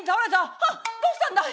「あっどうしたんだい？